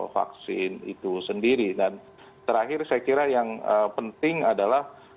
vaksin itu sendiri dan terakhir saya kira yang penting adalah